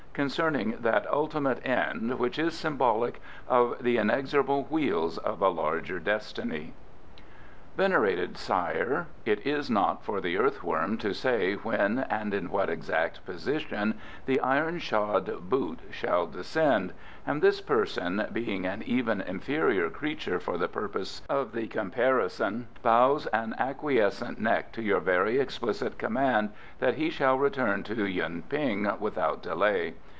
Concerning that ultimate end which is symbolic of the inexorable wheels of a larger Destiny. Venerated Sire, It is not for the earthworm to say when and in what exact position the iron shod boot shall descend, and this person, being an even inferior creature for the purpose of the comparison, bows an acquiescent neck to your very explicit command that he shall return to Yuen ping without delay.